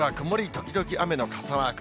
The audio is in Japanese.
時々雨の傘マーク。